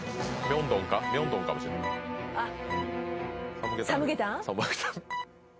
サムゲタン？